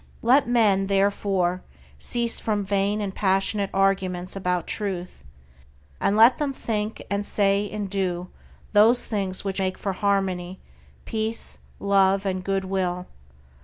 Let men, therefore, cease from vain and passionate arguments about Truth, and let them think and say and do those things which make for harmony, peace, love, and good will.